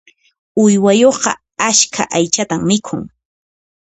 Uywayuqqa askha aychatan mikhun.